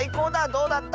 どうだった？